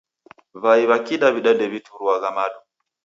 W'ai w'a kidaw'ida ndew'ituruagha madu